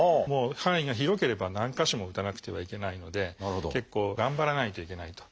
範囲が広ければ何か所も打たなくてはいけないので結構頑張らないといけないと。